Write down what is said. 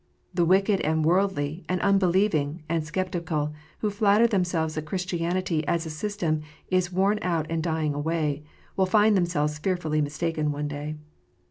The wicked, and worldly, and unbelieving, and sceptical, who flatter them selves that Christianity, as a system, is worn out and dying away, will find themselves fearfully mistaken one day.